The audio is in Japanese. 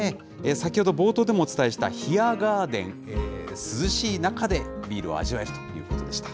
先ほど、冒頭でもお伝えしたヒアガーデン、涼しい中でビールを味わえるということでした。